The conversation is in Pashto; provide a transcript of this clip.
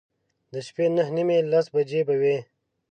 د شپې نهه نیمې، لس بجې به وې.